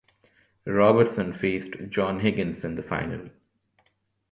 Robertson faced John Higgins in the final.